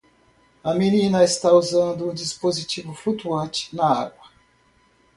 A menina está usando um dispositivo flutuante na água.